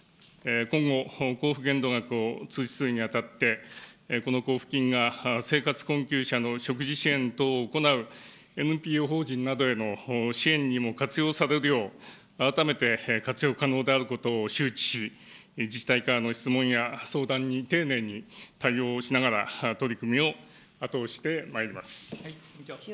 今後、交付限度額を通知するにあたって、この交付金が生活困窮者の食事支援等を行うＮＰＯ法人などへの支援にも活用されるよう、改めて活用可能であることを周知し、自治体からの質問や相談に丁寧に対応しながら、取り組みを後押ししてまいります。